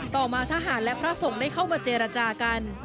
ต่อมาทหารและพระสงฆ์ได้เข้ามาเจรจากัน